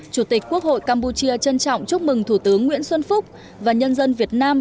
chủ tịch quốc hội campuchia trân trọng chúc mừng thủ tướng nguyễn xuân phúc và nhân dân việt nam